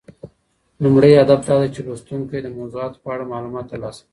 لومړی هدف دا دی چې لوستونکي د موضوعاتو په اړه معلومات ترلاسه کړي.